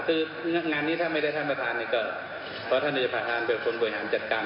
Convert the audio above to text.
คืองานนี้ถ้าไม่ได้ท่านประธานนี่ก็เพราะท่านนายประธานเป็นคนบริหารจัดการ